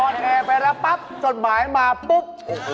แอร์ไปแล้วปั๊บจดหมายมาปุ๊บ